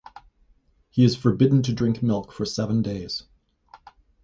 He is forbidden to drink milk for seven days.